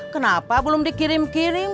kenapa belum dikirim kirim